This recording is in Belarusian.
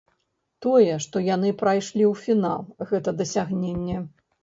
Тое, што яны прайшлі ў фінал гэта дасягненне.